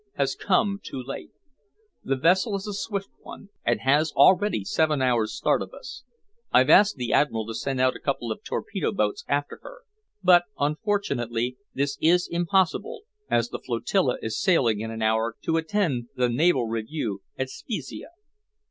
has come too late. The vessel is a swift one, and has already seven hours start of us. I've asked the Admiral to send out a couple of torpedo boats after her, but, unfortunately, this is impossible, as the flotilla is sailing in an hour to attend the naval review at Spezia."